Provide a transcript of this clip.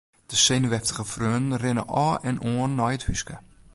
De senuweftige freonen rinne ôf en oan nei it húske.